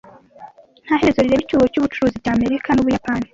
Nta herezo rireba icyuho cy’ubucuruzi cy’Amerika n’Ubuyapani.